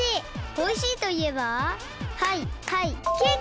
おいしいといえばはいはいケーキ！